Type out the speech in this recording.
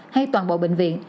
hay toàn bộ bệnh viện